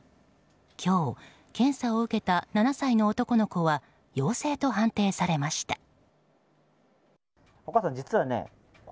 今日、検査を受けた７歳の男の子は陽性と判定されました。